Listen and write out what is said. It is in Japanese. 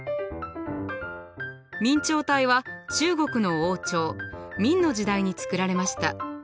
明朝体は中国の王朝明の時代に作られました。